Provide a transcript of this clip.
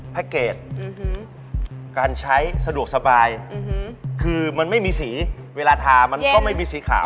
เกจการใช้สะดวกสบายคือมันไม่มีสีเวลาทามันก็ไม่มีสีขาว